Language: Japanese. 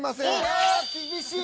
わあ厳しい。